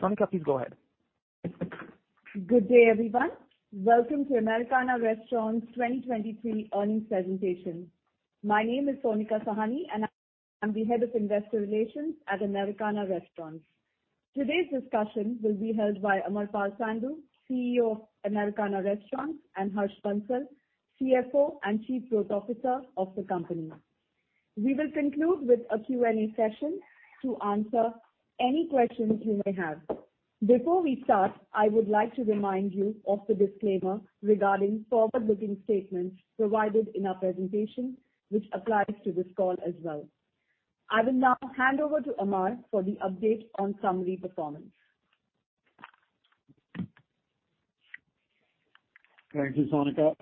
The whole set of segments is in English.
Sonika, please go ahead. Good day, everyone. Welcome to Americana Restaurants 2023 Earnings Presentation. My name is Sonika Sahni, and I'm the Head of Investor Relations at Americana Restaurants. Today's discussion will be held by Amarpal Sandhu, CEO of Americana Restaurants, and Harsh Bansal, CFO and Chief Growth Officer of the company. We will conclude with a Q&A session to answer any questions you may have. Before we start, I would like to remind you of the disclaimer regarding forward-looking statements provided in our presentation, which applies to this call as well. I will now hand over to Amarpal for the update on summary performance. Thank you, Sonika.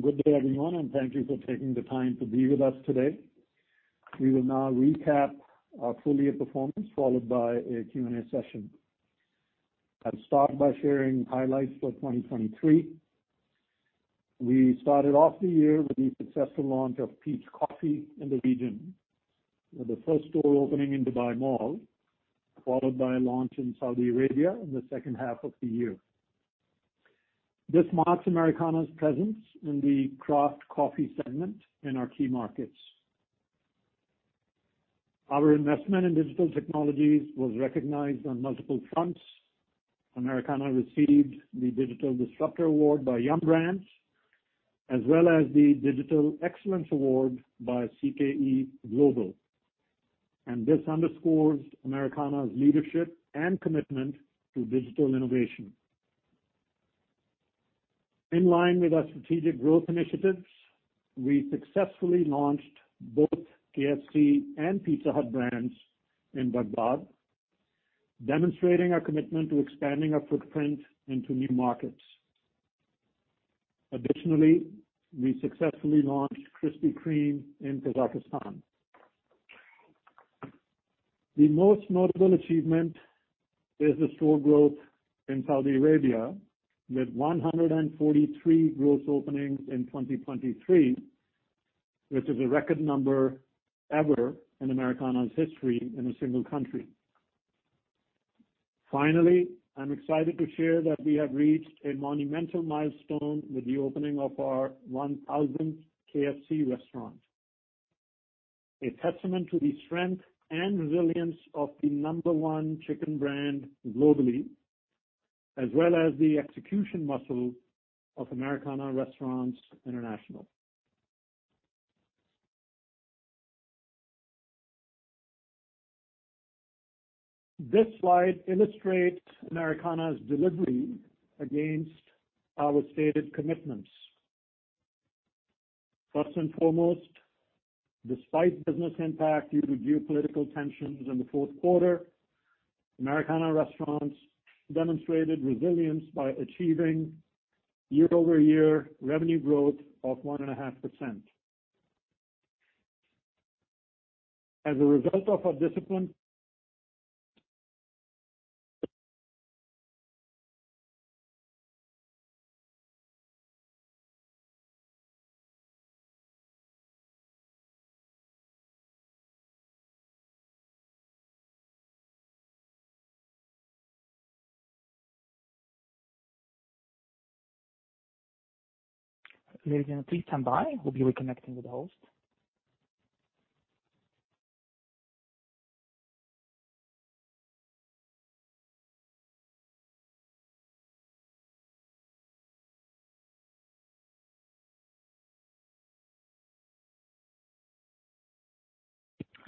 Good day, everyone, and thank you for taking the time to be with us today. We will now recap our full year performance, followed by a Q&A session. I'll start by sharing highlights for 2023. We started off the year with the successful launch of Peet's Coffee in the region, with the first store opening in Dubai Mall, followed by a launch in Saudi Arabia in the second half of the year. This marks Americana's presence in the craft coffee segment in our key markets. Our investment in digital technologies was recognized on multiple fronts. Americana received the Digital Disruptor Award by Yum! Brands, as well as the Digital Excellence Award by CKE Global. This underscores Americana's leadership and commitment to digital innovation. In line with our strategic growth initiatives, we successfully launched both KFC and Pizza Hut brands in Baghdad, demonstrating our commitment to expanding our footprint into new markets. Additionally, we successfully launched Krispy Kreme in Kazakhstan. The most notable achievement is the store growth in Saudi Arabia, with 143 gross openings in 2023, which is a record number ever in Americana's history in a single country. Finally, I'm excited to share that we have reached a monumental milestone with the opening of our 1000th KFC restaurant, a testament to the strength and resilience of the number one chicken brand globally, as well as the execution muscle of Americana Restaurants International. This slide illustrates Americana's delivery against our stated commitments. First and foremost, despite business impact due to geopolitical tensions in the fourth quarter, Americana Restaurants demonstrated resilience by achieving year-over-year revenue growth of 1.5%. As a result of our disciplined- Ladies and gentlemen, please stand by. We'll be reconnecting with the host.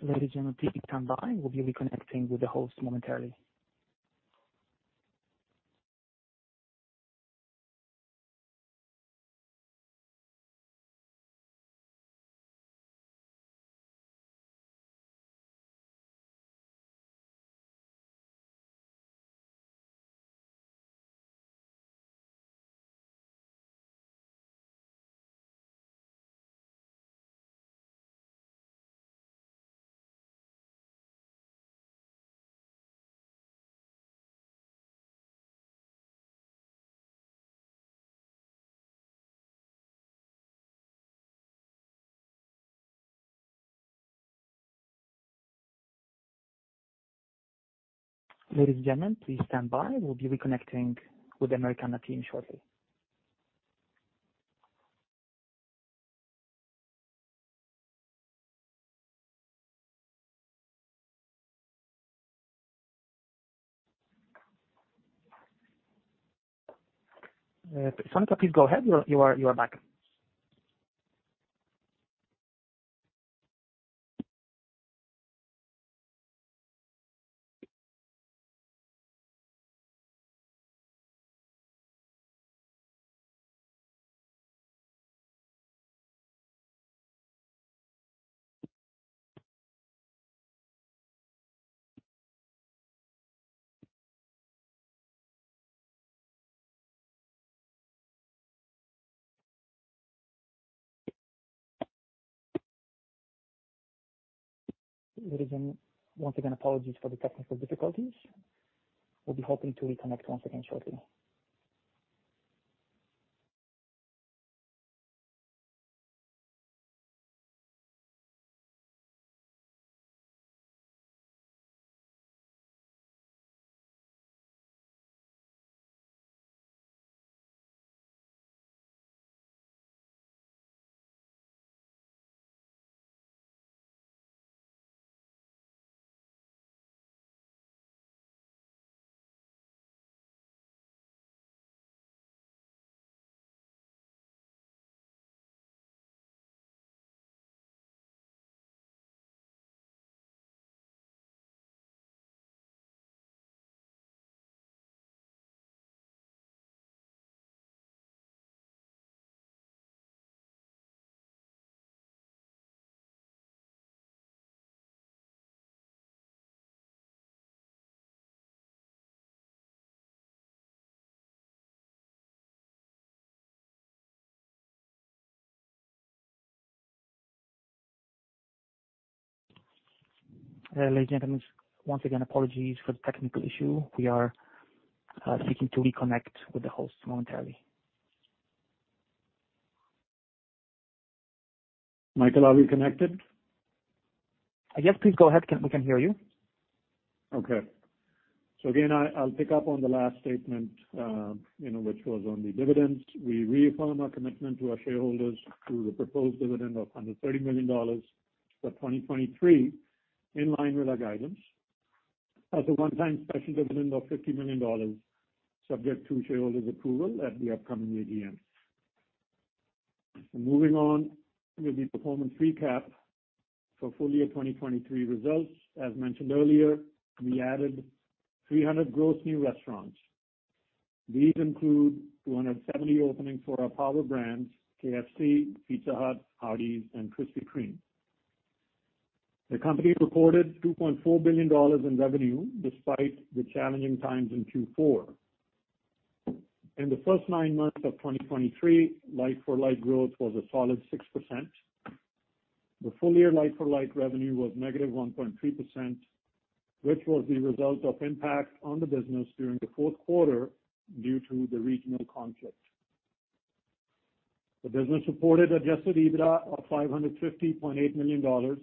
Ladies and gentlemen, please stand by. We'll be reconnecting with the host momentarily. Ladies and gentlemen, please stand by. We'll be reconnecting with the Americana team shortly. Sonika, please go ahead. You are back. Ladies and... Once again, apologies for the technical difficulties. We'll be hoping to reconnect once again shortly.... Ladies and gentlemen, once again, apologies for the technical issue. We are seeking to reconnect with the host momentarily. Michael, are we connected? Yes, please go ahead. We can hear you. Okay. So again, I, I'll pick up on the last statement, you know, which was on the dividends. We reaffirm our commitment to our shareholders through the proposed dividend of $130 million for 2023, in line with our guidance, as a one-time special dividend of $50 million, subject to shareholders' approval at the upcoming AGM. Moving on with the performance recap for full year 2023 results. As mentioned earlier, we added 300 gross new restaurants. These include 270 openings for our Power Brands, KFC, Pizza Hut, Hardee's, and Krispy Kreme. The company reported $2.4 billion in revenue, despite the challenging times in Q4. In the first nine months of 2023, like-for-like growth was a solid 6%. The full year like-for-like revenue was -1.3%, which was the result of impact on the business during the fourth quarter due to the regional conflict. The business reported Adjusted EBITDA of $550.8 million,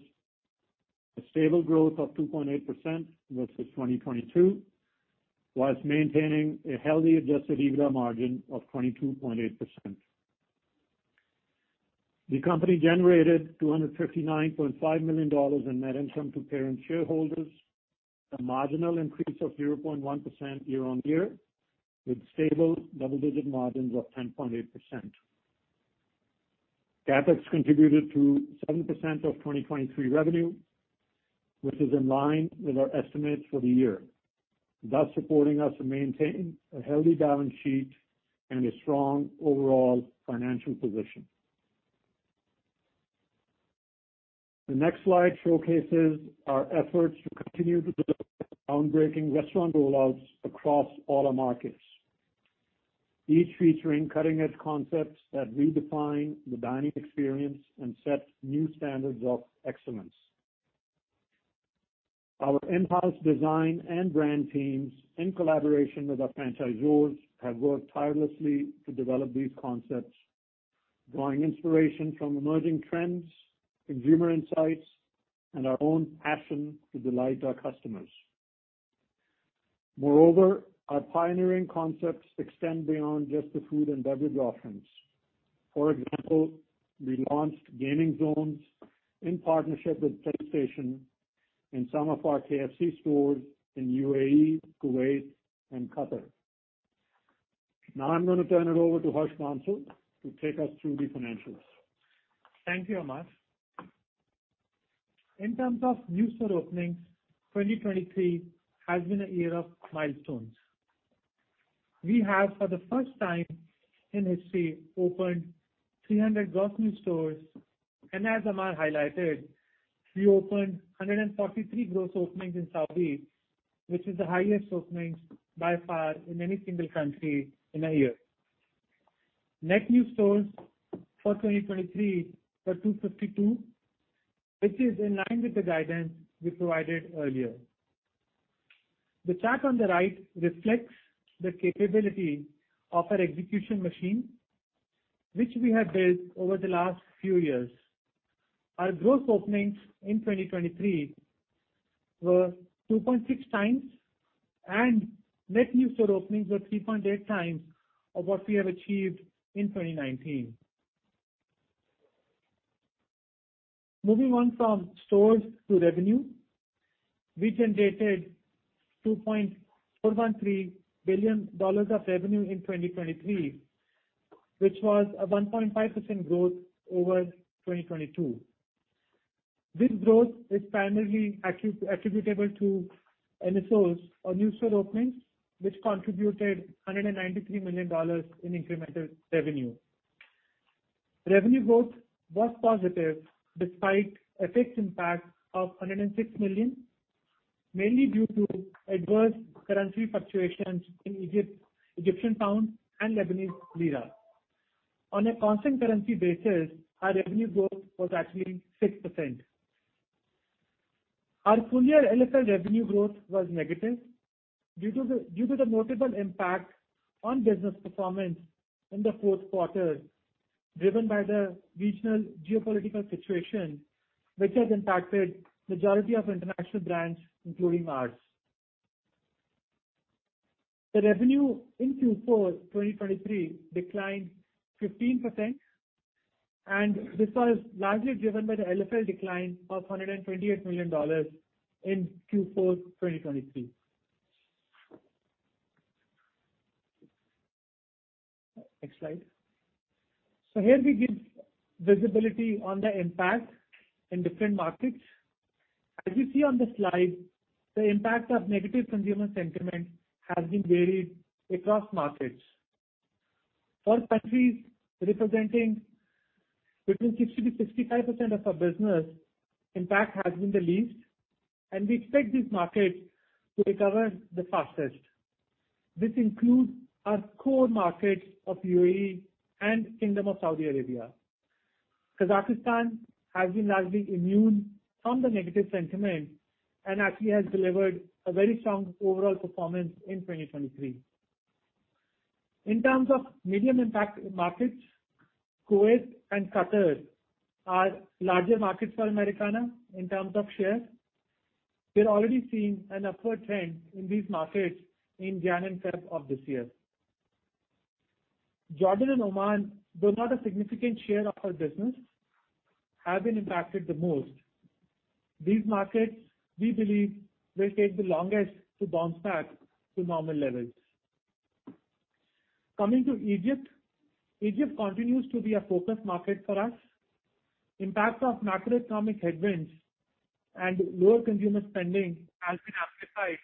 a stable growth of 2.8% versus 2022, while maintaining a healthy Adjusted EBITDA margin of 22.8%. The company generated $259.5 million in net income to parent shareholders, a marginal increase of 0.1% year-on-year, with stable double-digit margins of 10.8%. CapEx contributed to 7% of 2023 revenue, which is in line with our estimates for the year, thus supporting us to maintain a healthy balance sheet and a strong overall financial position. The next slide showcases our efforts to continue to deliver groundbreaking restaurant rollouts across all our markets, each featuring cutting-edge concepts that redefine the dining experience and set new standards of excellence. Our in-house design and brand teams, in collaboration with our franchisors, have worked tirelessly to develop these concepts, drawing inspiration from emerging trends, consumer insights, and our own passion to delight our customers. Moreover, our pioneering concepts extend beyond just the food and beverage offerings. For example, we launched gaming zones in partnership with PlayStation in some of our KFC stores in UAE, Kuwait, and Qatar. Now I'm going to turn it over to Harsh Bansal to take us through the financials. Thank you, Amar. In terms of new store openings, 2023 has been a year of milestones. We have, for the first time in history, opened 300 gross new stores, and as Amar highlighted, we opened 143 gross openings in Saudi, which is the highest openings by far in any single country in a year. Net new stores for 2023 were 252, which is in line with the guidance we provided earlier. The chart on the right reflects the capability of our execution machine, which we have built over the last few years. Our gross openings in 2023 were 2.6x, and net new store openings were 3.8x of what we have achieved in 2019. Moving on from stores to revenue, we generated $2.413 billion of revenue in 2023, which was a 1.5% growth over 2022. This growth is primarily attributable to NSO, or new store openings, which contributed $193 million in incremental revenue. Revenue growth was positive despite a fixed impact of $106 million, mainly due to adverse currency fluctuations in Egypt, Egyptian Pound and Lebanese Lira. On a constant currency basis, our revenue growth was actually 6%. Our full year LFL revenue growth was negative, due to the notable impact on business performance in the fourth quarter, driven by the regional geopolitical situation, which has impacted majority of international brands, including ours. The revenue in Q4 2023 declined 15%, and this was largely driven by the LFL decline of $128 million in Q4 2023. Next slide. So here we give visibility on the impact in different markets. As you see on the slide, the impact of negative consumer sentiment has been varied across markets. For countries representing between 60%-65% of our business, impact has been the least, and we expect these markets to recover the fastest. This includes our core markets of UAE and Kingdom of Saudi Arabia. Kazakhstan has been largely immune from the negative sentiment, and actually has delivered a very strong overall performance in 2023. In terms of medium impact markets, Kuwait and Qatar are larger markets for Americana in terms of shares. We're already seeing an upward trend in these markets in January and February of this year. Jordan and Oman, though not a significant share of our business, have been impacted the most. These markets, we believe, will take the longest to bounce back to normal levels. Coming to Egypt. Egypt continues to be a focused market for us. Impact of macroeconomic headwinds and lower consumer spending has been amplified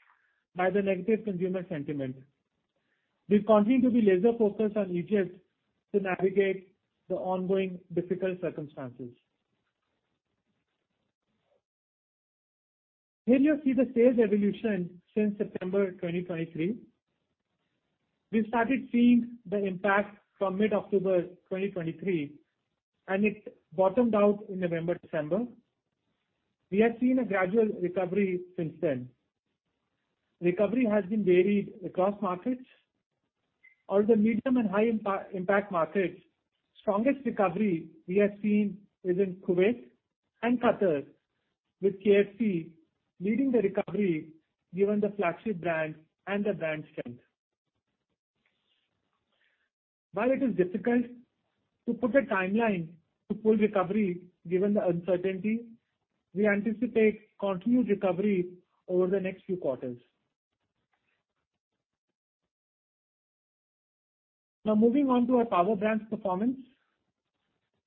by the negative consumer sentiment. We continue to be laser focused on Egypt to navigate the ongoing difficult circumstances. Here you see the sales evolution since September 2023. We started seeing the impact from mid-October 2023, and it bottomed out in November, December. We have seen a gradual recovery since then. Recovery has been varied across markets. Out of the medium and high impact markets, strongest recovery we have seen is in Kuwait and Qatar, with KFC leading the recovery, given the flagship brand and the brand strength. While it is difficult to put a timeline to full recovery, given the uncertainty, we anticipate continued recovery over the next few quarters. Now, moving on to our Power Brands performance.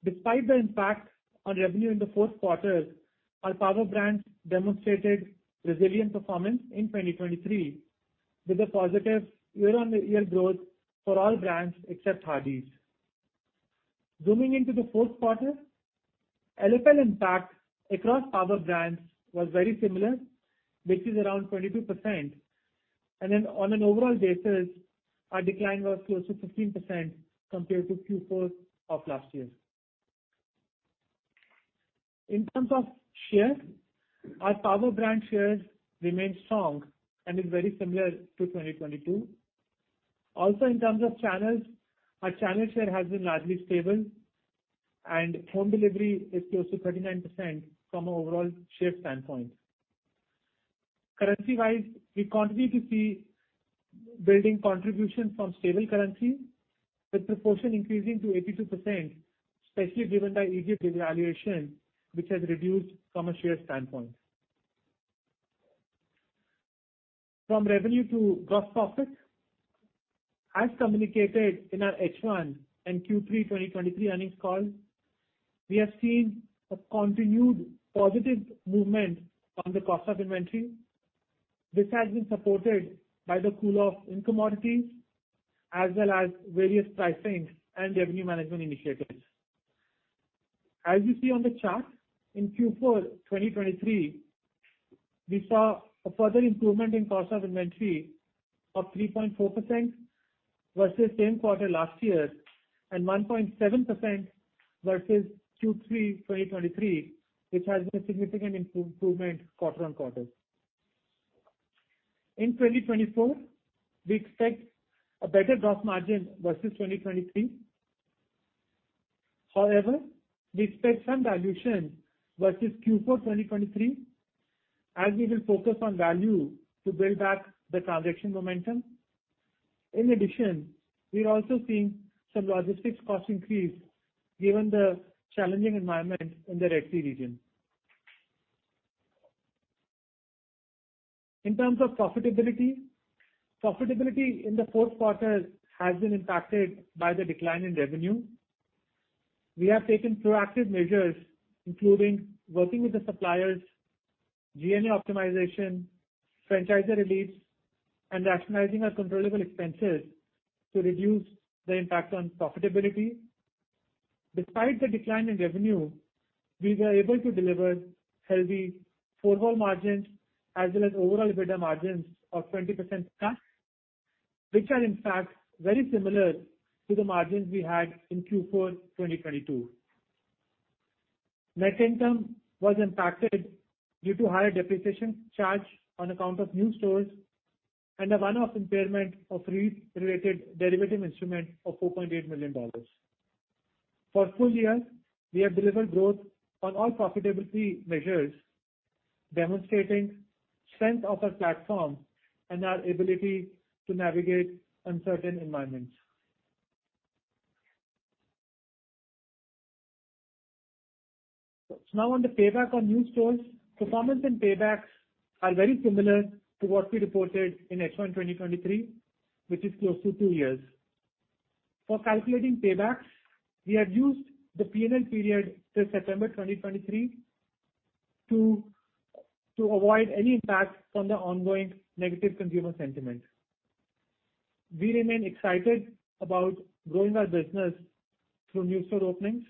Despite the impact on revenue in the fourth quarter, our Power Brands demonstrated resilient performance in 2023, with a positive year-on-year growth for all brands except Hardee's. Zooming into the fourth quarter, LFL impact across Power Brands was very similar, which is around 22%. And then on an overall basis, our decline was close to 15% compared to Q4 of last year. In terms of shares, our Power Brands shares remained strong and is very similar to 2022. Also, in terms of channels, our channel share has been largely stable, and home delivery is close to 39% from an overall share standpoint. Currency-wise, we continue to see building contribution from stable currency, with proportion increasing to 82%, especially given the Egypt devaluation, which has reduced from a share standpoint. From revenue to gross profit. As communicated in our H1 and Q3 2023 earnings call, we have seen a continued positive movement on the cost of inventory. This has been supported by the cool-off in commodities, as well as various pricing and revenue management initiatives. As you see on the chart, in Q4 2023, we saw a further improvement in cost of inventory of 3.4% versus same quarter last year, and 1.7% versus Q3 2023, which has been a significant improvement quarter on quarter. In 2024, we expect a better gross margin versus 2023. However, we expect some dilution versus Q4 2023, as we will focus on value to build back the transaction momentum. In addition, we are also seeing some logistics cost increase, given the challenging environment in the KSA region. In terms of profitability, profitability in the fourth quarter has been impacted by the decline in revenue. We have taken proactive measures, including working with the suppliers, G&A optimization, franchisor reliefs, and rationalizing our controllable expenses to reduce the impact on profitability. Despite the decline in revenue, we were able to deliver healthy overall margins as well as overall EBITDA margins of 20%+... which are in fact very similar to the margins we had in Q4 2022. Net income was impacted due to higher depreciation charge on account of new stores and a one-off impairment of FX-related derivative instrument of $4.8 million. For full year, we have delivered growth on all profitability measures, demonstrating strength of our platform and our ability to navigate uncertain environments. So now on the payback on new stores. Performance and paybacks are very similar to what we reported in H1 2023, which is close to two years. For calculating paybacks, we had used the PNL period till September 2023, to, to avoid any impact from the ongoing negative consumer sentiment. We remain excited about growing our business through new store openings.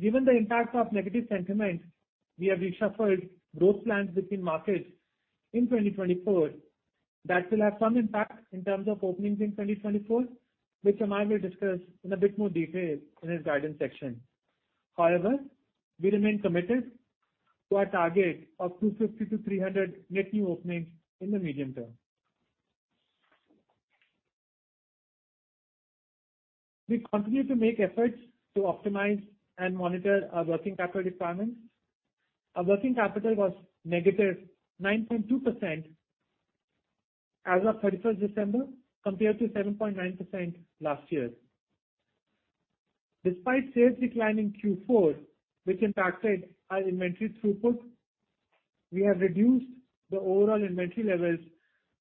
Given the impact of negative sentiment, we have reshuffled growth plans between markets in 2024. That will have some impact in terms of openings in 2024, which Amar will discuss in a bit more detail in his guidance section. However, we remain committed to our target of 250-300 net new openings in the medium term. We continue to make efforts to optimize and monitor our working capital requirements. Our working capital was negative 9.2% as of 31st December, compared to 7.9% last year. Despite sales declining Q4, which impacted our inventory throughput, we have reduced the overall inventory levels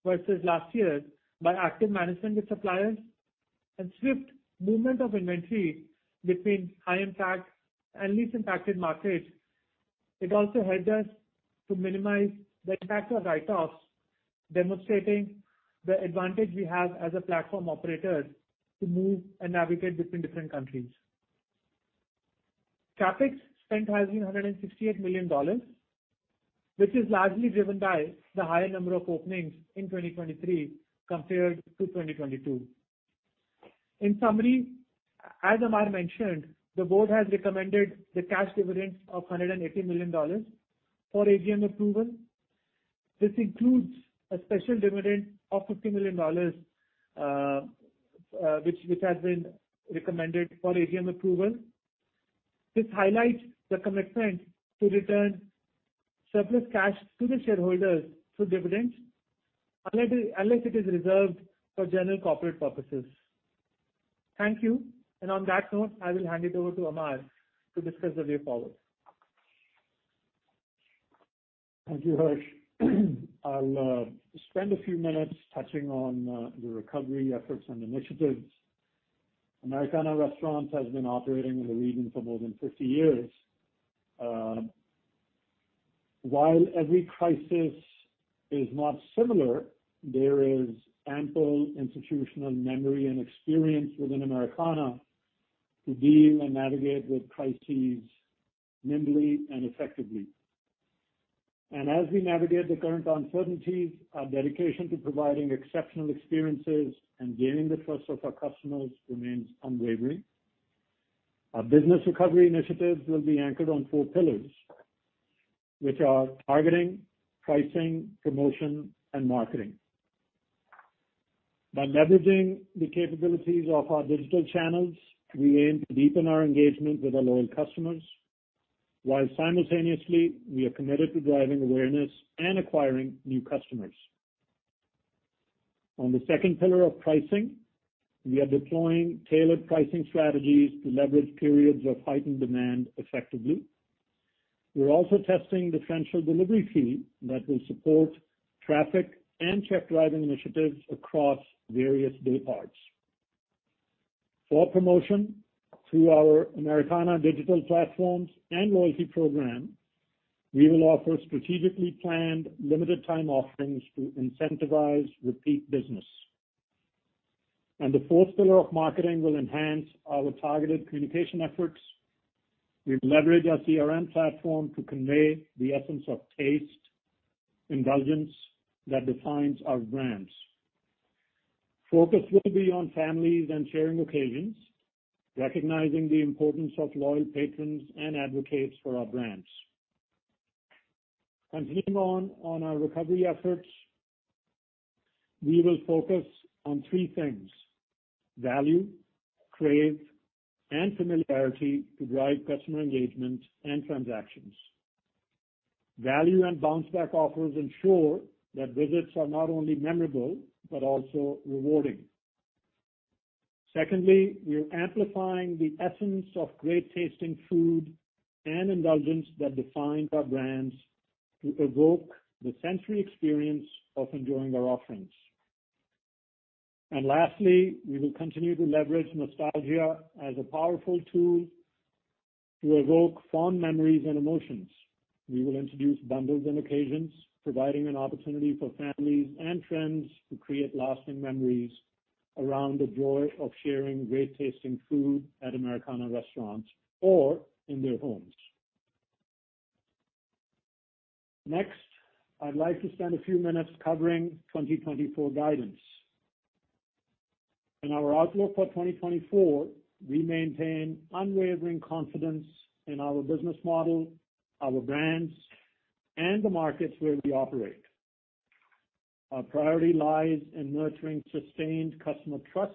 versus last year by active management with suppliers and swift movement of inventory between high impact and least impacted markets. It also helped us to minimize the impact of write-offs, demonstrating the advantage we have as a platform operator to move and navigate between different countries. CapEx spend has been $168 million, which is largely driven by the higher number of openings in 2023 compared to 2022. In summary, as Amar mentioned, the board has recommended the cash dividend of $180 million for AGM approval. This includes a special dividend of $50 million, which has been recommended for AGM approval. This highlights the commitment to return surplus cash to the shareholders through dividends, unless it is reserved for general corporate purposes. Thank you. And on that note, I will hand it over to Amar to discuss the way forward. Thank you, Harsh. I'll spend a few minutes touching on the recovery efforts and initiatives. Americana Restaurants has been operating in the region for more than 50 years. While every crisis is not similar, there is ample institutional memory and experience within Americana to deal and navigate with crises nimbly and effectively. As we navigate the current uncertainties, our dedication to providing exceptional experiences and gaining the trust of our customers remains unwavering. Our business recovery initiatives will be anchored on four pillars, which are targeting, pricing, promotion, and marketing. By leveraging the capabilities of our digital channels, we aim to deepen our engagement with our loyal customers, while simultaneously we are committed to driving awareness and acquiring new customers. On the second pillar of pricing, we are deploying tailored pricing strategies to leverage periods of heightened demand effectively. We're also testing differential delivery fee that will support traffic and check driving initiatives across various day parts. For promotion, through our Americana digital platforms and loyalty program, we will offer strategically planned, limited time offerings to incentivize repeat business. The fourth pillar of marketing will enhance our targeted communication efforts. We leverage our CRM platform to convey the essence of taste, indulgence that defines our brands. Focus will be on families and sharing occasions, recognizing the importance of loyal patrons and advocates for our brands. Continuing on, on our recovery efforts, we will focus on three things: value, crave, and familiarity to drive customer engagement and transactions. Value and bounce back offers ensure that visits are not only memorable, but also rewarding. Secondly, we are amplifying the essence of great-tasting food and indulgence that defines our brands, to evoke the sensory experience of enjoying our offerings. And lastly, we will continue to leverage nostalgia as a powerful tool to evoke fond memories and emotions. We will introduce bundles and occasions, providing an opportunity for families and friends to create lasting memories around the joy of sharing great-tasting food at Americana Restaurants or in their homes... Next, I'd like to spend a few minutes covering 2024 guidance. In our outlook for 2024, we maintain unwavering confidence in our business model, our brands, and the markets where we operate. Our priority lies in nurturing sustained customer trust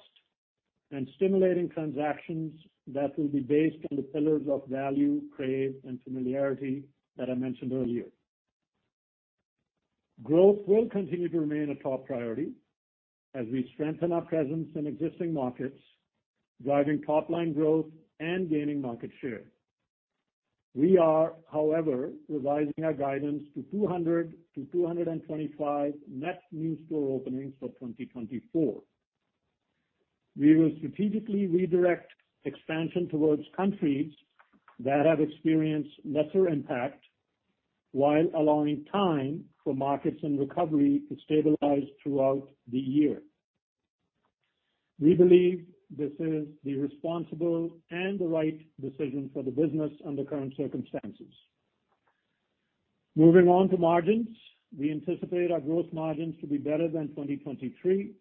and stimulating transactions that will be based on the pillars of value, crave, and familiarity that I mentioned earlier. Growth will continue to remain a top priority as we strengthen our presence in existing markets, driving top-line growth and gaining market share. We are, however, revising our guidance to 200-225 net new store openings for 2024. We will strategically redirect expansion towards countries that have experienced lesser impact, while allowing time for markets and recovery to stabilize throughout the year. We believe this is the responsible and the right decision for the business under current circumstances. Moving on to margins. We anticipate our growth margins to be better than 2023,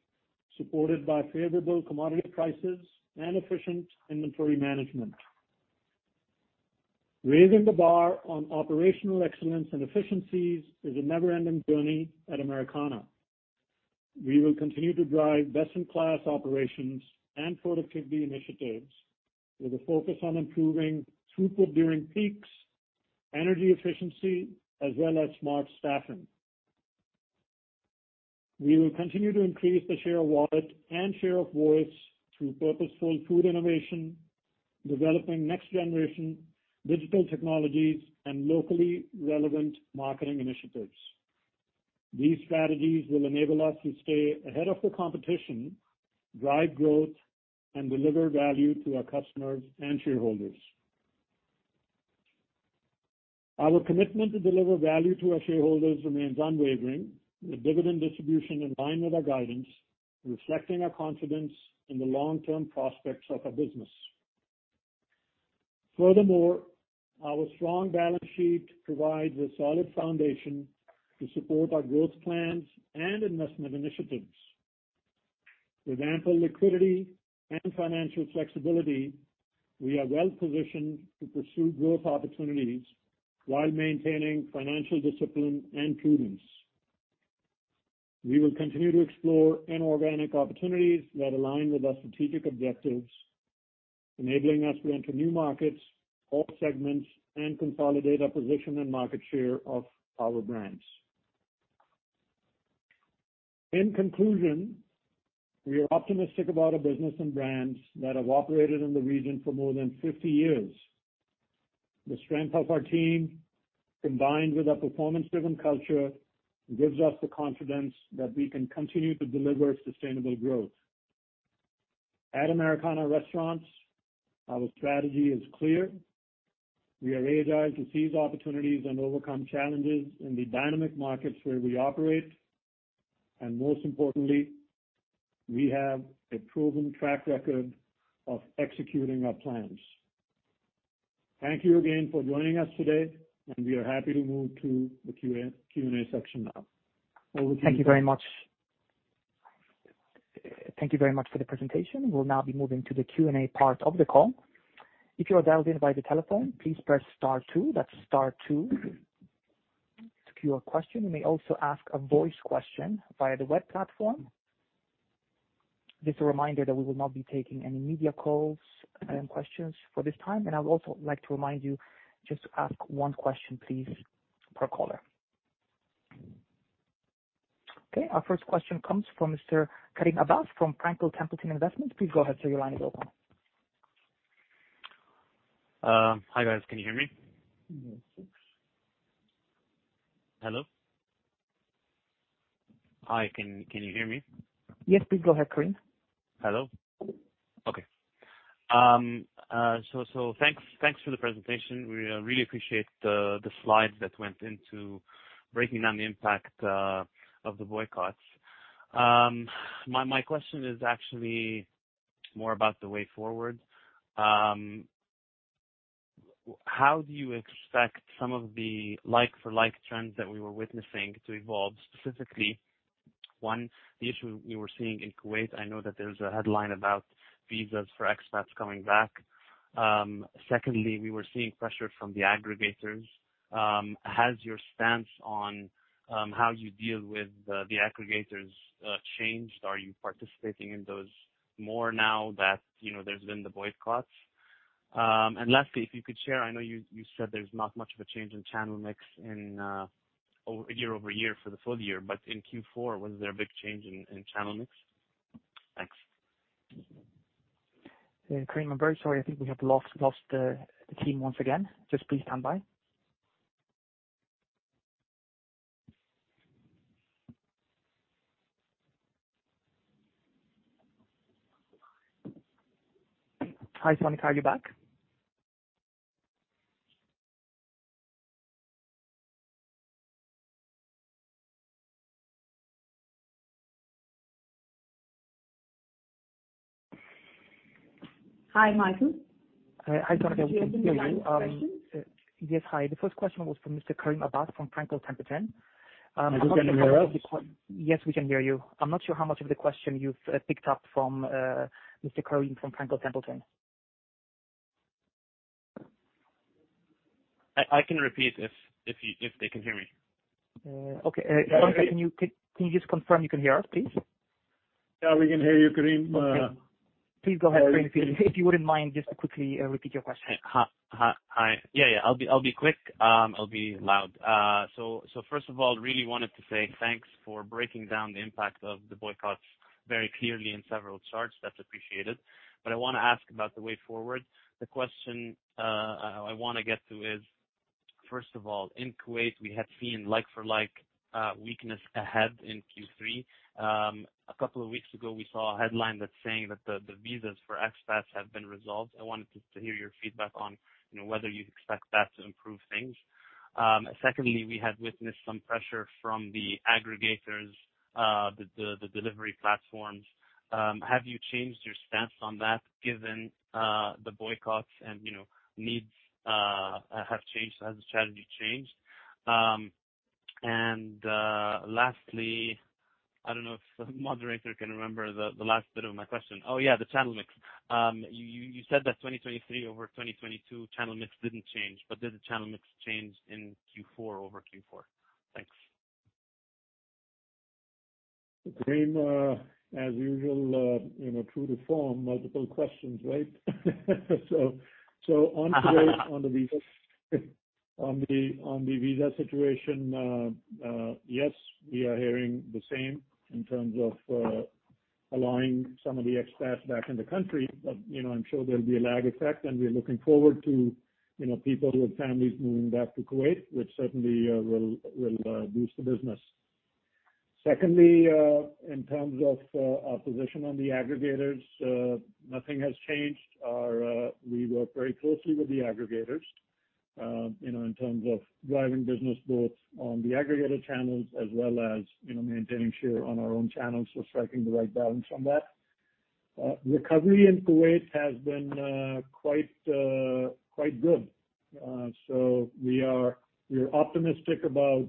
supported by favorable commodity prices and efficient inventory management. Raising the bar on operational excellence and efficiencies is a never-ending journey at Americana. We will continue to drive best-in-class operations and productivity initiatives with a focus on improving throughput during peaks, energy efficiency, as well as smart staffing. We will continue to increase the share of wallet and share of voice through purposeful food innovation, developing next-generation digital technologies, and locally relevant marketing initiatives. These strategies will enable us to stay ahead of the competition, drive growth, and deliver value to our customers and shareholders. Our commitment to deliver value to our shareholders remains unwavering, with dividend distribution in line with our guidance, reflecting our confidence in the long-term prospects of our business. Furthermore, our strong balance sheet provides a solid foundation to support our growth plans and investment initiatives. With ample liquidity and financial flexibility, we are well positioned to pursue growth opportunities while maintaining financial discipline and prudence. We will continue to explore inorganic opportunities that align with our strategic objectives, enabling us to enter new markets, all segments, and consolidate our position and market share of our brands. In conclusion, we are optimistic about our business and brands that have operated in the region for more than 50 years. The strength of our team, combined with our performance-driven culture, gives us the confidence that we can continue to deliver sustainable growth. At Americana Restaurants, our strategy is clear. We are agile to seize opportunities and overcome challenges in the dynamic markets where we operate, and most importantly, we have a proven track record of executing our plans. Thank you again for joining us today, and we are happy to move to the Q&A section now. Over to you. Thank you very much. Thank you very much for the presentation. We'll now be moving to the Q&A part of the call. If you are dialed in by the telephone, please press star two, that's star two, to queue your question. You may also ask a voice question via the web platform. Just a reminder that we will not be taking any media calls, questions for this time. I would also like to remind you just to ask one question, please, per caller. Okay, our first question comes from Mr. Karim Abbas from Franklin Templeton Investments. Please go ahead, sir, your line is open. Hi, guys. Can you hear me? Yes, thanks. Hello? Hi, can you hear me? Yes, please go ahead, Karim. Hello? Okay. So thanks for the presentation. We really appreciate the slides that went into breaking down the impact of the boycotts. My question is actually more about the way forward. How do you expect some of the like-for-like trends that we were witnessing to evolve, specifically, one, the issue we were seeing in Kuwait, I know that there's a headline about visas for expats coming back. Secondly, we were seeing pressure from the aggregators. Has your stance on how you deal with the aggregators changed? Are you participating in those more now that, you know, there's been the boycotts? Lastly, if you could share, I know you, you said there's not much of a change in channel mix in year-over-year for the full year, but in Q4, was there a big change in channel mix? Thanks. Karim, I'm very sorry. I think we have lost the team once again. Just please stand by. Hi, Sonika. Are you back? ... Hi, Michael. Hi, Sonika. We can hear you. Yes, hi. The first question was from Mr. Karim Abbas from Franklin Templeton. Yes, we can hear you. I'm not sure how much of the question you've picked up from Mr. Karim Abbas from Franklin Templeton. I can repeat if they can hear me. Okay. Can you, can you just confirm you can hear us, please? Yeah, we can hear you, Karim. Please go ahead, Karim. If you wouldn't mind just to quickly, repeat your question. Hi, hi, hi. Yeah, yeah, I'll be quick. I'll be loud. So first of all, really wanted to say thanks for breaking down the impact of the boycotts very clearly in several charts. That's appreciated. But I wanna ask about the way forward. The question I wanna get to is, first of all, in Kuwait, we had seen like-for-like weakness ahead in Q3. A couple of weeks ago, we saw a headline that's saying that the visas for expats have been resolved. I wanted to hear your feedback on, you know, whether you expect that to improve things. Secondly, we had witnessed some pressure from the aggregators, the delivery platforms. Have you changed your stance on that, given the boycotts and, you know, needs have changed? Has the strategy changed? And, lastly, I don't know if the moderator can remember the last bit of my question. Oh, yeah, the channel mix. You said that 2023 over 2022 channel mix didn't change, but did the channel mix change in Q4 over Q4? Thanks. Karim, as usual, you know, true to form, multiple questions, right? So, on Kuwait, on the visas. On the visa situation, yes, we are hearing the same in terms of allowing some of the expats back in the country. But, you know, I'm sure there'll be a lag effect, and we're looking forward to, you know, people with families moving back to Kuwait, which certainly will boost the business. Secondly, in terms of our position on the aggregators, nothing has changed. We work very closely with the aggregators, you know, in terms of driving business both on the aggregator channels as well as, you know, maintaining share on our own channels, so striking the right balance on that. Recovery in Kuwait has been quite good. We're optimistic about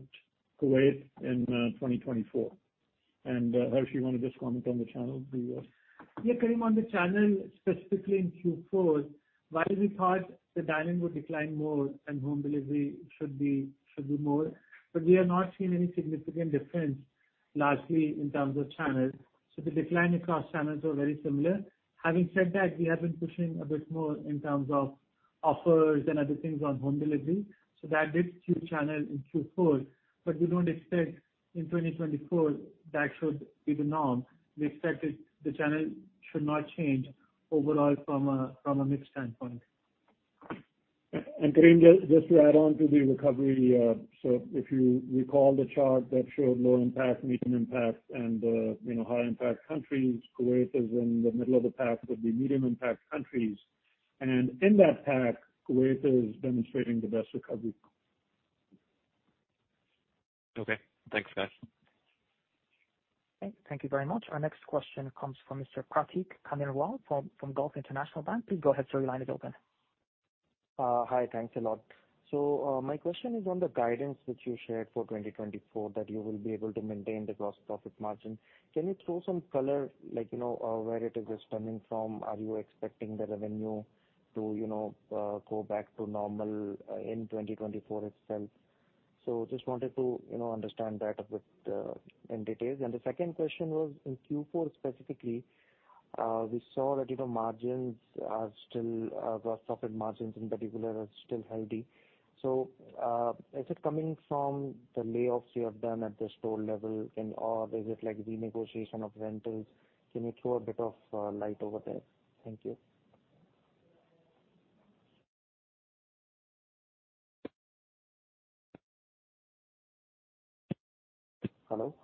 Kuwait in 2024. Harsh, you want to just comment on the channel, do you? Yeah, Karim, on the channel, specifically in Q4, while we thought the dine-in would decline more and home delivery should be, should be more, but we have not seen any significant difference largely in terms of channels. So the decline across channels are very similar. Having said that, we have been pushing a bit more in terms of offers and other things on home delivery, so that did skew channel in Q4, but we don't expect in 2024 that should be the norm. We expect it, the channel should not change overall from a, from a mix standpoint. Karim, just, just to add on to the recovery. So if you recall the chart that showed low impact, medium impact, and, you know, high impact countries, Kuwait is in the middle of the pack of the medium impact countries. And in that pack, Kuwait is demonstrating the best recovery. Okay. Thanks, guys. Okay, thank you very much. Our next question comes from Mr. Prateek Kumar from Gulf International Bank. Please go ahead, sir. Your line is open. Hi, thanks a lot. So, my question is on the guidance which you shared for 2024, that you will be able to maintain the gross profit margin. Can you throw some color, like, you know, where it is coming from? Are you expecting the revenue to, you know, go back to normal, in 2024 itself? So just wanted to, you know, understand that a bit, in detail. And the second question was, in Q4 specifically, we saw that, you know, margins are still, gross profit margins in particular, are still healthy. So, is it coming from the layoffs you have done at the store level, and, or is it like renegotiation of rentals? Can you throw a bit of light over there? Thank you. Hello?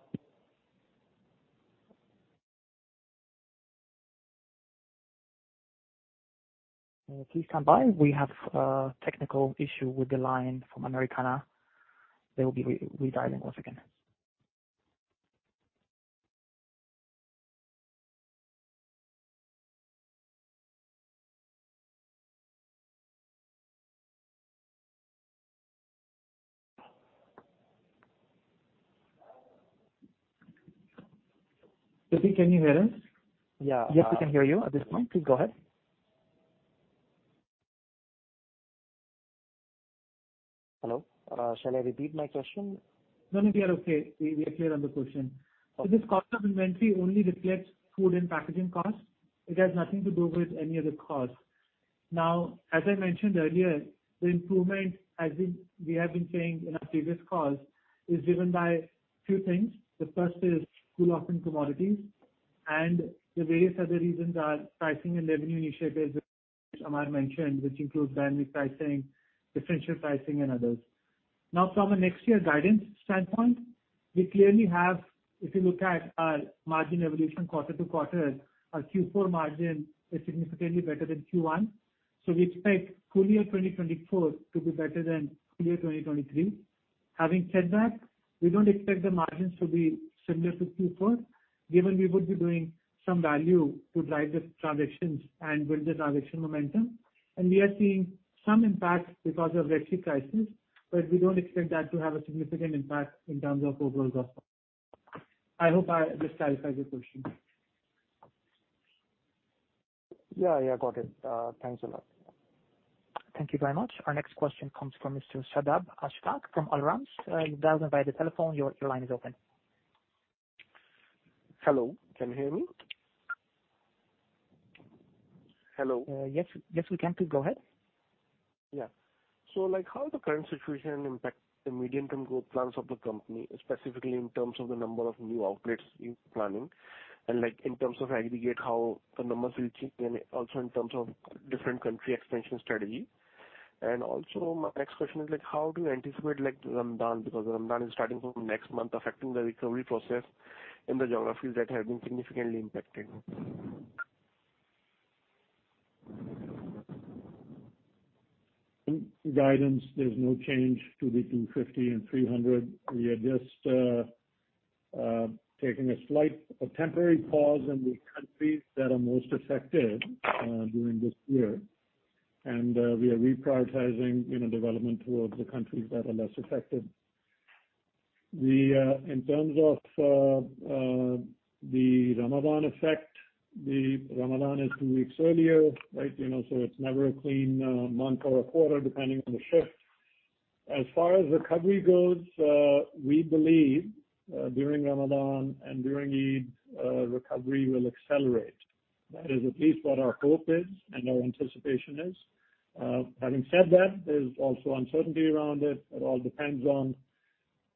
Please stand by. We have a technical issue with the line from Americana. They will be redialing once again. Prateek, can you hear us? Yeah. Yes, we can hear you at this point. Please go ahead. Hello. Shall I repeat my question? No, no, we are okay. We, we are clear on the question. So this cost of inventory only reflects food and packaging costs. It has nothing to do with any other costs. Now, as I mentioned earlier, the improvement, as we, we have been saying in our previous calls, is driven by two things. The first is cool off in commodities, and the various other reasons are pricing and revenue initiatives, which Amar mentioned, which includes dynamic pricing, differential pricing, and others. Now, from a next year guidance standpoint, we clearly have, if you look at our margin evolution quarter to quarter, our Q4 margin is significantly better than Q1. So we expect full year 2024 to be better than full year 2023. Having said that, we don't expect the margins to be similar to Q4, given we would be doing some value to drive the transactions and build the transaction momentum. We are seeing some impact because of Red Sea crisis, but we don't expect that to have a significant impact in terms of overall growth. I hope this satisfies your question. Yeah, yeah, got it. Thanks a lot. Thank you very much. Our next question comes from Mr. Shadab Ashfaq from Al Ramz. You may dial in via the telephone. Your line is open. Hello, can you hear me? Hello. Yes, yes, we can. Please go ahead. Yeah. So, like, how the current situation impact the medium-term growth plans of the company, specifically in terms of the number of new outlets you're planning, and, like, in terms of aggregate, how the numbers will change, and also in terms of different country expansion strategy? Also my next question is, like, how do you anticipate, like, Ramadan? Because Ramadan is starting from next month, affecting the recovery process in the geographies that have been significantly impacted. Guidance, there's no change to the 250-300. We are just taking a slight, a temporary pause in the countries that are most affected during this year. And we are reprioritizing, you know, development towards the countries that are less affected. In terms of the Ramadan effect, Ramadan is two weeks earlier, right? You know, so it's never a clean month or a quarter, depending on the shift. As far as recovery goes, we believe during Ramadan and during Eid recovery will accelerate. That is at least what our hope is and our anticipation is. Having said that, there's also uncertainty around it. It all depends on,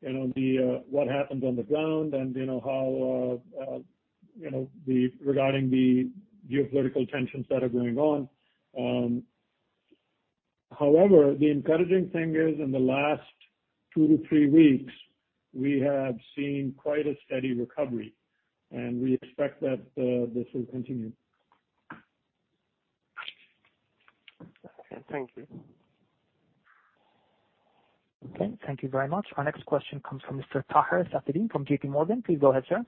you know, what happens on the ground and, you know, how you know the regarding the geopolitical tensions that are going on. However, the encouraging thing is in the last two to three weeks, we have seen quite a steady recovery, and we expect that this will continue. Okay. Thank you. Okay, thank you very much. Our next question comes from Mr. Taher Safieddine from JPMorgan. Please go ahead, sir.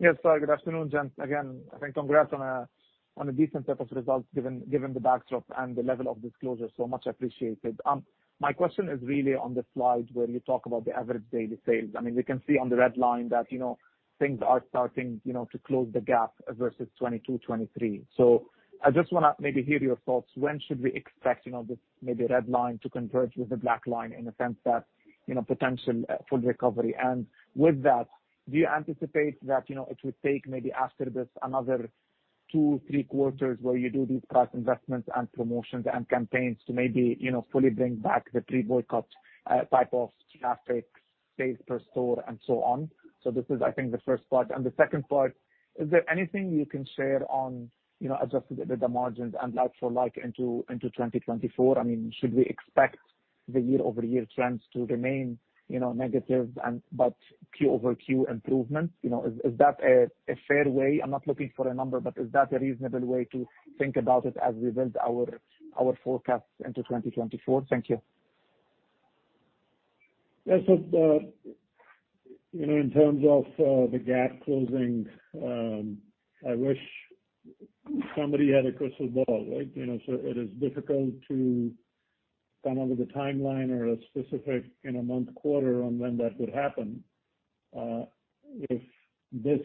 Yes, sorry. Good afternoon, gents. Again, I think congrats on a, on a decent set of results, given, given the backdrop and the level of disclosure. So much appreciated. My question is really on the slide where you talk about the average daily sales. I mean, we can see on the red line that, you know, things are starting, you know, to close the gap versus 2022, 2023. So I just wanna maybe hear your thoughts. When should we expect, you know, this maybe red line to converge with the black line in the sense that, you know, potential full recovery? With that, do you anticipate that, you know, it would take maybe after this, another two, three quarters, where you do these price investments and promotions and campaigns to maybe, you know, fully bring back the pre-boycott type of traffic, sales per store, and so on? So this is, I think, the first part. And the second part, is there anything you can share on, you know, Adjusted EBITDA margins and like-for-like into 2024? I mean, should we expect the year-over-year trends to remain, you know, negative and, but Q-over-Q improvements? You know, is that a fair way? I'm not looking for a number, but is that a reasonable way to think about it as we build our forecasts into 2024? Thank you. Yes, so, you know, in terms of, the gap closing, I wish somebody had a crystal ball, right? You know, so it is difficult to come up with a timeline or a specific, you know, month, quarter on when that would happen. If this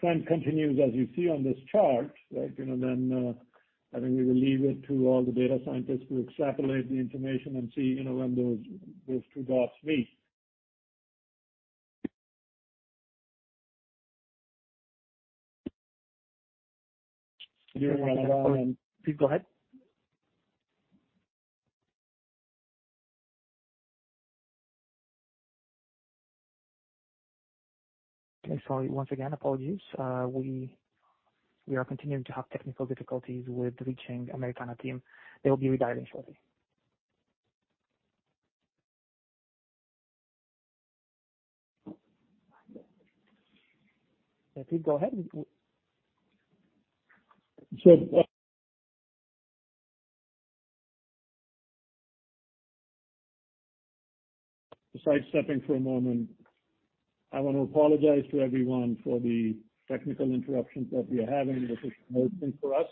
trend continues, as you see on this chart, right, you know, then, I think we will leave it to all the data scientists to extrapolate the information and see, you know, when those, those two dots meet. Please, go ahead. Okay, sorry. Once again, apologies. We are continuing to have technical difficulties with reaching Americana team. They will be rejoining shortly. Yeah, please go ahead. So, besides stepping for a moment, I want to apologize to everyone for the technical interruptions that we are having. This is new thing for us.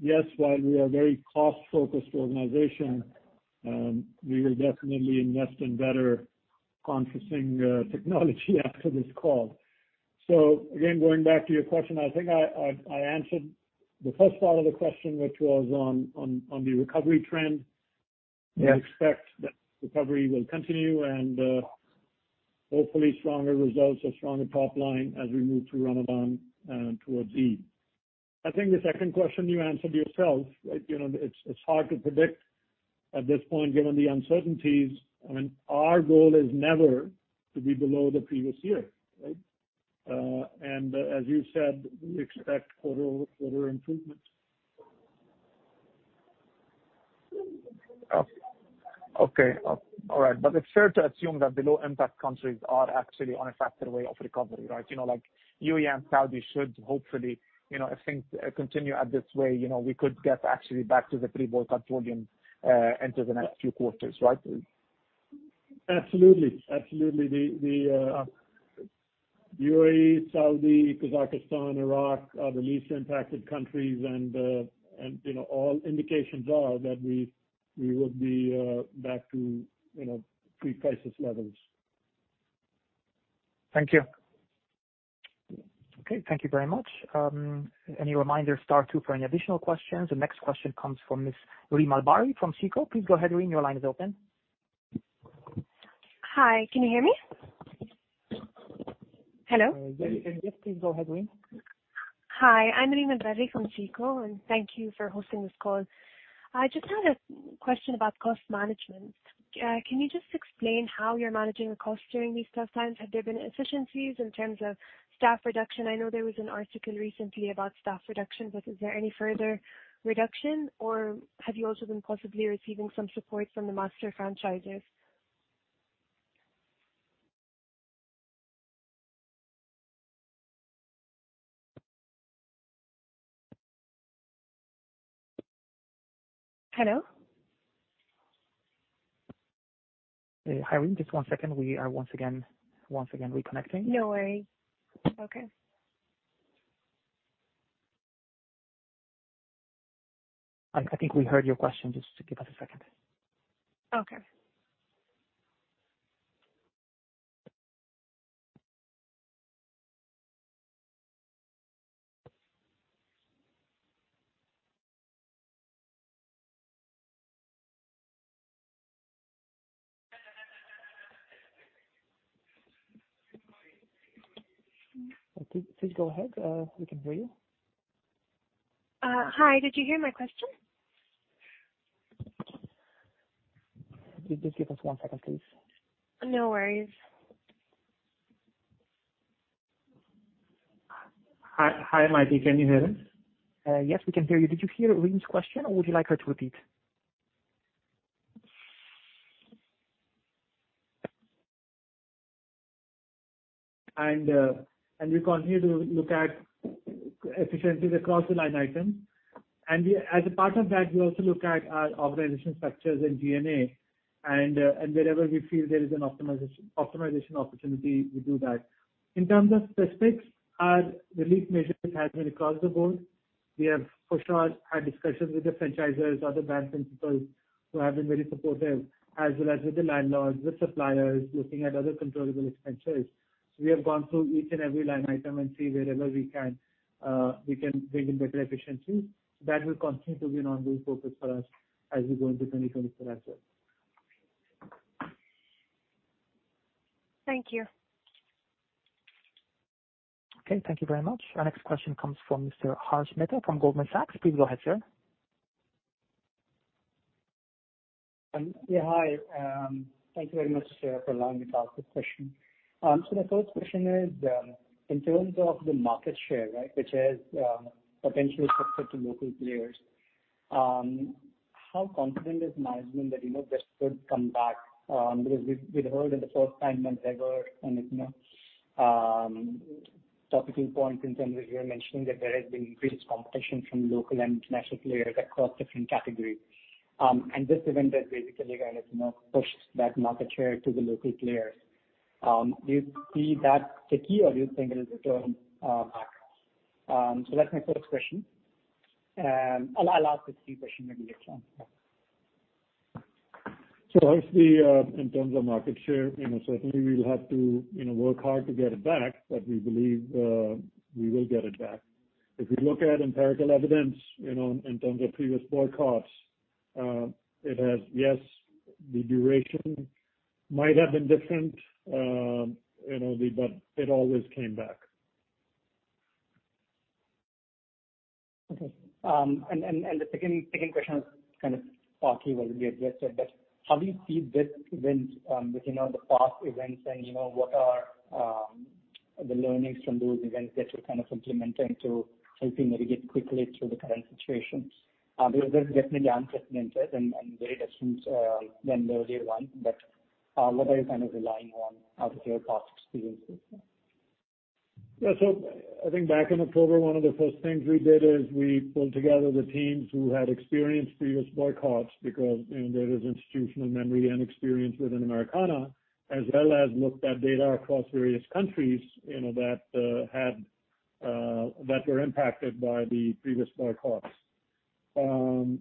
Yes, while we are a very cost-focused organization, we will definitely invest in better conferencing technology after this call. So again, going back to your question, I think I answered the first part of the question, which was on the recovery trend. Yes. We expect that recovery will continue, and, hopefully stronger results or stronger top line as we move through Ramadan, and towards Eid. I think the second question you answered yourself, right? You know, it's hard to predict at this point, given the uncertainties. I mean, our goal is never to be below the previous year, right? And as you said, we expect quarter-over-quarter improvements. ...Okay. All right. But it's fair to assume that the low impact countries are actually on a faster way of recovery, right? You know, like UAE and Saudi should hopefully, you know, if things continue at this way, you know, we could get actually back to the pre-boycott volume into the next few quarters, right? Absolutely. Absolutely. The, the, UAE, Saudi, Kazakhstan, Iraq, are the least impacted countries and, and, you know, all indications are that we, we would be, back to, you know, pre-crisis levels. Thank you. Okay, thank you very much. Any reminder, star two for any additional questions. The next question comes from Miss Rima Albari from SICO. Please go ahead, Rima, your line is open. Hi, can you hear me? Hello? Yes, please go ahead, Rima. Hi, I'm Rima Albari from SICO, and thank you for hosting this call. I just had a question about cost management. Can you just explain how you're managing the costs during these tough times? Have there been efficiencies in terms of staff reduction? I know there was an article recently about staff reductions, but is there any further reduction or have you also been possibly receiving some support from the master franchises? Hello? Hi, Rima, just one second. We are once again, once again reconnecting. No worry. Okay. I think we heard your question. Just give us a second. Okay. Please, please go ahead. We can hear you. Hi, did you hear my question? Just give us one second, please. No worries. Hi, hi, can you hear us? Yes, we can hear you. Did you hear Rima's question or would you like her to repeat? We continue to look at efficiencies across the line item. As a part of that, we also look at our organizational structures and G&A, and wherever we feel there is an optimization opportunity, we do that. In terms of specifics, our relief measures have been across the board. We have, first of all, had discussions with the franchisors, other brand principals, who have been very supportive, as well as with the landlords, the suppliers, looking at other controllable expenses. We have gone through each and every line item and see wherever we can, we can bring in better efficiencies. That will continue to be an ongoing focus for us as we go into 2024 as well. Thank you. Okay, thank you very much. Our next question comes from Mr. Harsh Mehta from Goldman Sachs. Please go ahead, sir. Yeah, hi. Thank you very much for allowing me to ask this question. So the first question is, in terms of the market share, right, which has potentially suffered to local players, how confident is management that, you know, this could come back? Because we, we heard that the first time than ever, and, you know, talking points in terms of you're mentioning that there has been increased competition from local and international players across different categories. And this event has basically kind of, you know, pushed that market share to the local players. Do you see that sticky, or do you think it will return back? So that's my first question. I'll, I'll ask the second question maybe next time. Obviously, in terms of market share, you know, certainly we will have to, you know, work hard to get it back, but we believe, we will get it back. If you look at empirical evidence, you know, in terms of previous boycotts, it has, yes, the duration might have been different, you know, but it always came back. Okay. And the second question is kind of partly already addressed, but how do you see this event within the past events and, you know, what are the learnings from those events that you're kind of implementing to helping navigate quickly through the current situations? Because they're definitely unprecedented and very different than the earlier one, but what are you kind of relying on out of your past experiences? Yeah. So I think back in October, one of the first things we did is we pulled together the teams who had experienced previous boycotts, because, you know, there is institutional memory and experience within Americana, as well as looked at data across various countries, you know, that had... that were impacted by the previous boycotts. The learning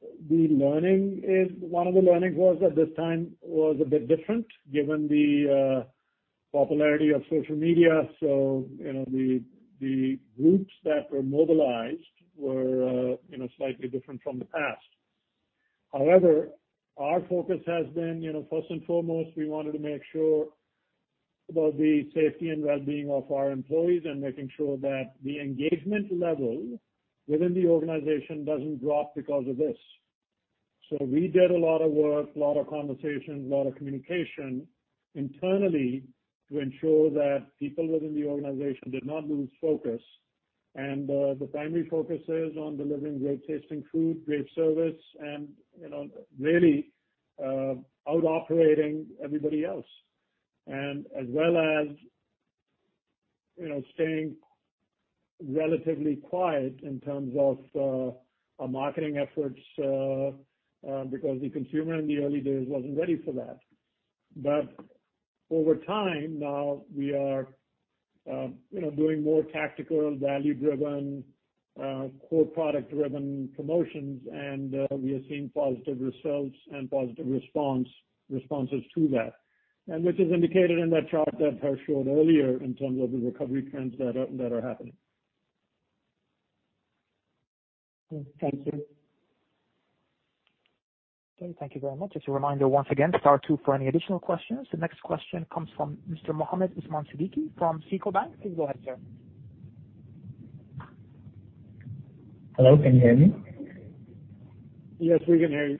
is, one of the learnings was that this time was a bit different given the popularity of social media. So, you know, the groups that were mobilized were, you know, slightly different from the past. However, our focus has been, you know, first and foremost, we wanted to make sure about the safety and well-being of our employees and making sure that the engagement level within the organization doesn't drop because of this. So we did a lot of work, a lot of conversations, a lot of communication internally to ensure that people within the organization did not lose focus, and the primary focus is on delivering great tasting food, great service, and, you know, really out-operating everybody else. And as well as, you know, staying relatively quiet in terms of our marketing efforts, because the consumer in the early days wasn't ready for that. But over time, now we are, you know, doing more tactical, value-driven core product-driven promotions, and we are seeing positive results and positive responses to that, and which is indicated in that chart that I showed earlier in terms of the recovery trends that are happening. Thank you. Okay, thank you very much. Just a reminder, once again, star two for any additional questions. The next question comes from Mr. Mohammed Ismansabiki from FICO Bank. Please go ahead, sir. Hello, can you hear me? Yes, we can hear you.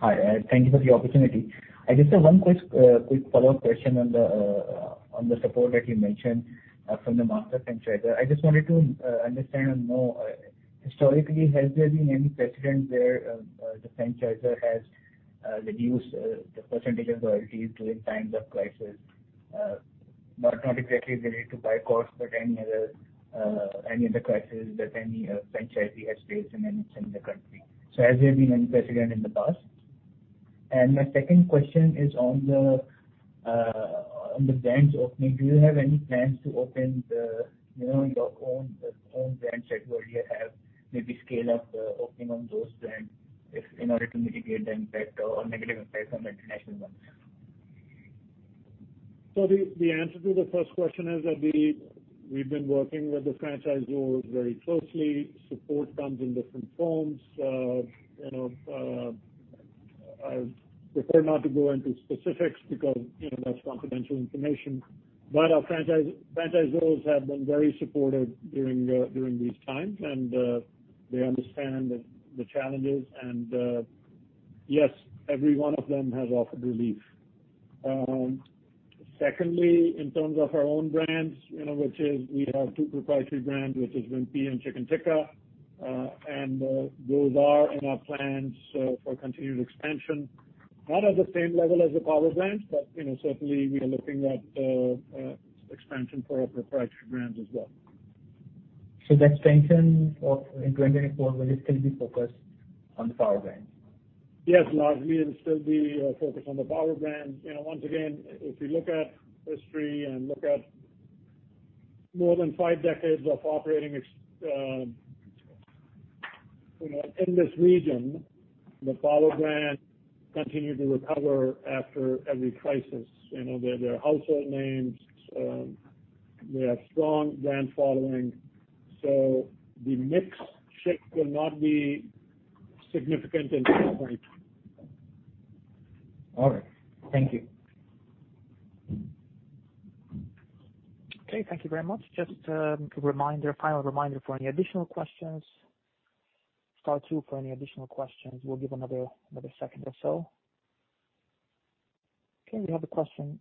Hi, thank you for the opportunity. I just have one quick, quick follow-up question on the, on the support that you mentioned, from the master franchisor. I just wanted to, understand and know, historically, has there been any precedent where, the franchisor has, reduced, the percentage of royalties during times of crisis? Not, not exactly related to buy costs, but any other, any other crisis that any, franchisee has faced in any, in the country. So has there been any precedent in the past? And my second question is on the, on the brands opening. Do you have any plans to open the, you know, your own, own brand that you already have, maybe scale up the opening of those brands, if in order to mitigate the impact or negative impact on the international ones? So the answer to the first question is that we've been working with the franchisors very closely. Support comes in different forms. You know, I prefer not to go into specifics because, you know, that's confidential information. But our franchisors have been very supportive during these times, and they understand the challenges, and yes, every one of them has offered relief. Secondly, in terms of our own brands, you know, we have two proprietary brands, Wimpy and Chicken Tikka, and those are in our plans for continued expansion. Not at the same level as the power brands, but you know, certainly we are looking at expansion for our proprietary brands as well. The expansion of in 2024 will still be focused on the Power Brands? Yes, largely it'll still be focused on the Power Brands. You know, once again, if you look at history and look at more than five decades of operating experience, you know, in this region, the Power Brands continue to recover after every crisis. You know, they're household names, they have strong brand following, so the mix shift will not be significant in this point. All right. Thank you. Okay, thank you very much. Just a reminder, a final reminder for any additional questions, star two for any additional questions. We'll give another second or so. Okay, we have a question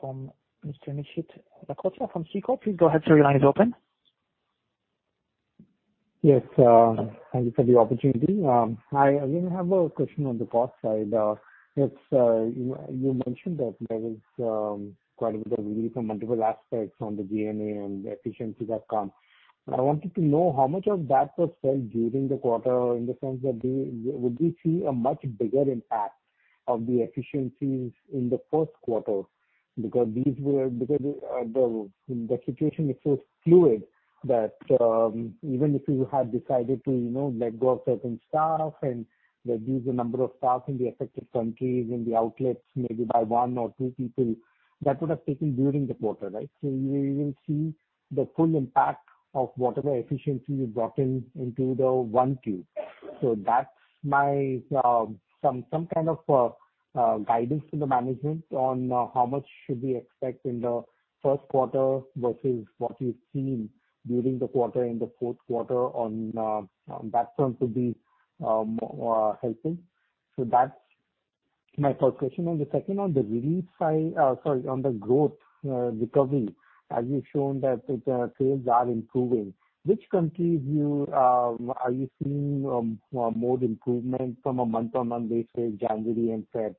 from Mr. Nishit Lakhotia from SICO. Please go ahead, sir, your line is open. Yes, thank you for the opportunity. Hi, I have a question on the cost side. You mentioned that there is quite a bit of relief on multiple aspects on the G&A and the efficiencies that come. I wanted to know how much of that was spent during the quarter, in the sense that do you—would we see a much bigger impact of the efficiencies in the first quarter? Because the situation is so fluid that even if you had decided to, you know, let go of certain staff and reduce the number of staff in the affected countries, in the outlets, maybe by one or two people, that would have taken during the quarter, right? So we will see the full impact of whatever efficiency you brought in into the 1Q. So that's my some kind of guidance to the management on how much should we expect in the first quarter versus what you've seen during the quarter, in the fourth quarter on that front would be helpful. So that's my first question. And the second, on the relief side, sorry, on the growth recovery, as you've shown that the sales are improving, which countries are you seeing more improvement from a month-on-month basis, January and February?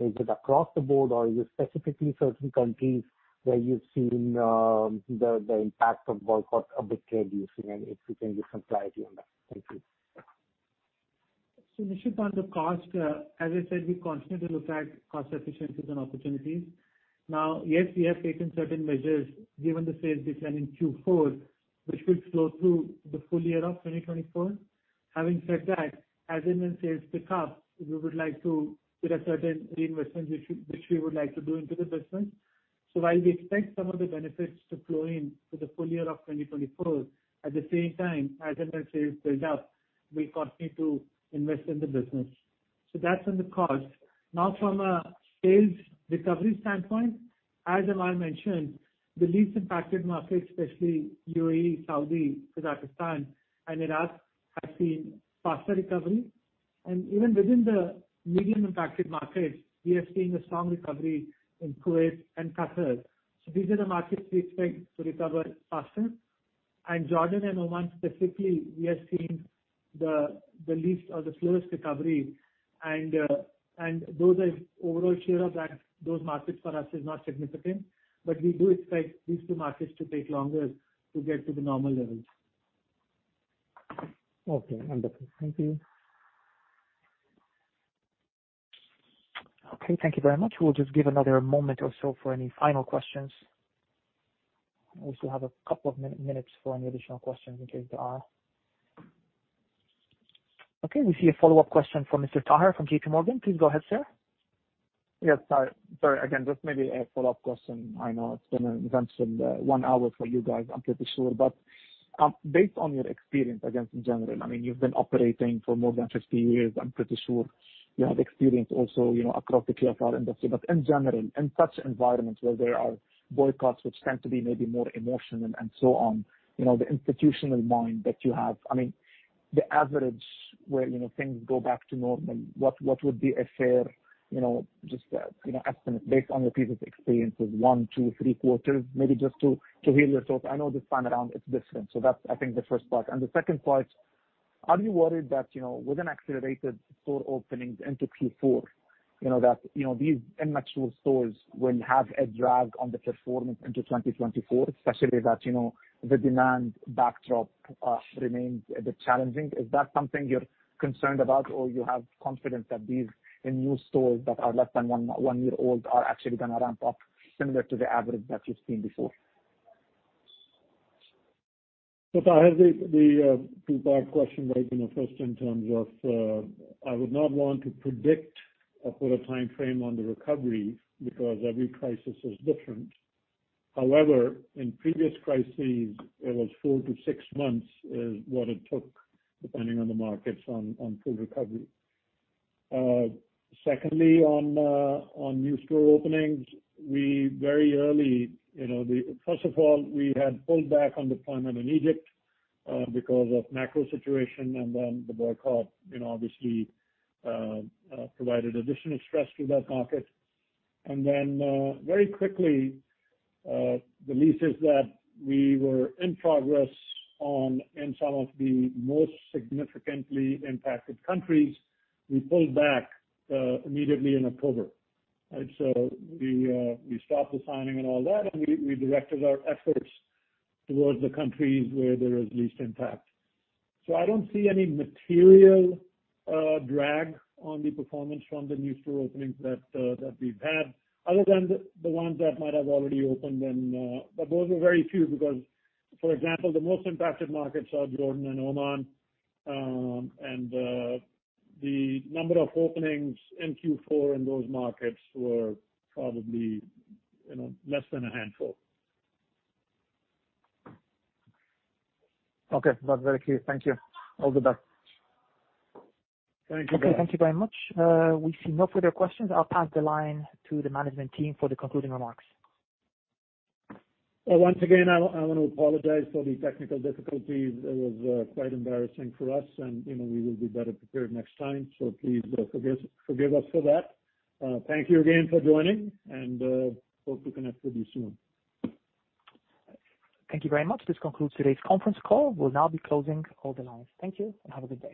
Is it across the board or is it specifically certain countries where you've seen the impact of boycott, of the trade you've seen, and if you can just clarify on that. Thank you. So Nishit, on the cost, as I said, we constantly look at cost efficiencies and opportunities. Now, yes, we have taken certain measures given the sales decline in Q4, which will flow through the full year of 2024. Having said that, as and when sales pick up, we would like to... There are certain reinvestments which we would like to do into the business. So while we expect some of the benefits to flow in for the full year of 2024, at the same time, as and when sales build up, we'll continue to invest in the business. So that's on the cost. Now, from a sales recovery standpoint, as Amar mentioned, the least impacted markets, especially UAE, Saudi, Kazakhstan, and Iraq, have seen faster recovery... And even within the medium impacted markets, we are seeing a strong recovery in Kuwait and Qatar. So these are the markets we expect to recover faster. Jordan and Oman, specifically, we are seeing the least or the slowest recovery. And those are overall share of that, those markets for us is not significant, but we do expect these two markets to take longer to get to the normal levels. Okay, wonderful. Thank you. Okay, thank you very much. We'll just give another moment or so for any final questions. We still have a couple of minutes for any additional questions in case there are. Okay, we see a follow-up question from Mr. Taher from JPMorgan. Please go ahead, sir. Yes, sorry. Sorry, again, just maybe a follow-up question. I know it's been an eventful one hour for you guys, I'm pretty sure. But based on your experience, again, in general, I mean, you've been operating for more than 50 years. I'm pretty sure you have experience also, you know, across the QSR industry. But in general, in such environments where there are boycotts which tend to be maybe more emotional and so on, you know, the institutional mind that you have, I mean, the average where, you know, things go back to normal, what would be a fair, you know, just estimate based on your previous experiences, one, two, three quarters? Maybe just to hear your thoughts. I know this time around it's different. So that's, I think, the first part. The second part, are you worried that, you know, with an accelerated store openings into Q4, you know, that, you know, these immature stores will have a drag on the performance into 2024, especially that, you know, the demand backdrop remains a bit challenging. Is that something you're concerned about, or you have confidence that these new stores that are less than one year old are actually gonna ramp up similar to the average that you've seen before? So I have the two-part question, right? You know, first, in terms of, I would not want to predict or put a timeframe on the recovery because every crisis is different. However, in previous crises, it was four to six months, is what it took, depending on the markets, on full recovery. Secondly, on new store openings, we very early, you know. First of all, we had pulled back on deployment in Egypt because of macro situation, and then the boycott, you know, obviously, provided additional stress to that market. And then, very quickly, the leases that we were in progress on in some of the most significantly impacted countries, we pulled back immediately in October. We stopped the signing and all that, and we directed our efforts toward the countries where there is least impact. I don't see any material drag on the performance from the new store openings that we've had, other than the ones that might have already opened then, but those were very few, because, for example, the most impacted markets are Jordan and Oman, and the number of openings in Q4 in those markets were probably, you know, less than a handful. Okay. That's very clear. Thank you. All the best. Thank you. Okay. Thank you very much. We see no further questions. I'll pass the line to the management team for the concluding remarks. Once again, I want to apologize for the technical difficulties. It was quite embarrassing for us, and, you know, we will be better prepared next time, so please, forgive, forgive us for that. Thank you again for joining, and hope to connect with you soon. Thank you very much. This concludes today's conference call. We'll now be closing all the lines. Thank you, and have a good day.